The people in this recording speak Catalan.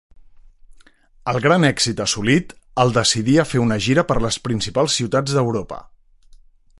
El gran èxit assolit el decidí a fer una gira per les principals ciutats d'Europa.